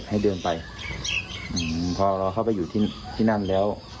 ให้เดินไปอืมพอเราเข้าไปอยู่ที่ที่นั่นแล้ว